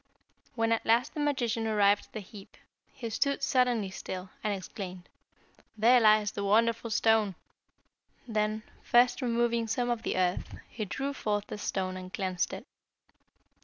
When, at last, the magician arrived at the heap, he stood suddenly still, and exclaimed, 'There lies the wonderful stone.' Then, first removing some of the earth, he drew forth the stone, and cleansed it.